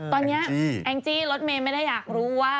ตอนนี้แองจิแองจิลดเมย์ไม่ได้อยากรู้ว่า